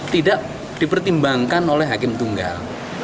tidak dipertimbangkan oleh hakim tunggal